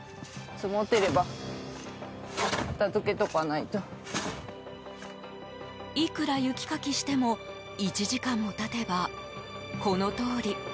いくら雪かきしても１時間も経てば、このとおり。